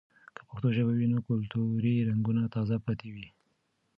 که پښتو ژبه وي، نو کلتوري رنګونه تازه پاتې وي.